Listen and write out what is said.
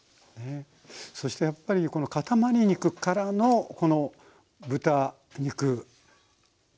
そしてやっぱりこのかたまり肉からのこの豚肉バラ肉ねえ。